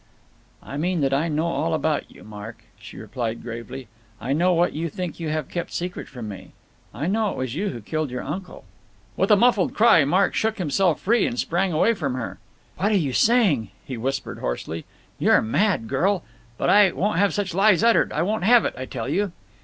"I mean that I know all about you, Mark," she replied gravely. "I know what you think you have kept secret from me. I know it was you who killed your uncle." With a muffled cry Mark shook himself free, and sprang away from her. "What are you saying?" he whispered hoarsely. "You are mad, girl! But I won't have such lies uttered, I won't have it, I tell you."